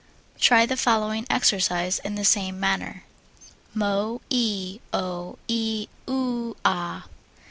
Try the following exercise in the same manner: Mo E O E OO Ah.